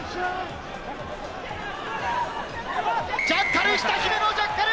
ジャッカル来た、ジャッカル。